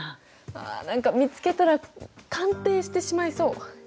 あ見つけたら鑑定してしまいそう。